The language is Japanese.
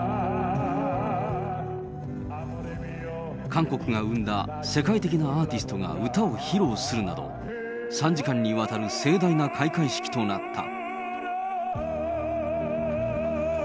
韓国が生んだ世界的なアーティストが歌を披露するなど、３時間にわたる盛大な開会式となった。